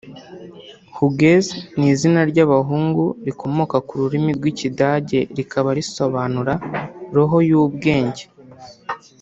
Hugues ni izina ry’abahungu rikomoka ku rurimi rw’Ikidage rikaba risobanura “Roho y’ubwenge”